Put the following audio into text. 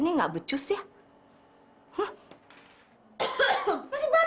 hai kalau johan masih mesra mas maka